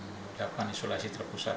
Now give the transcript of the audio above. melakukan isolasi terpusat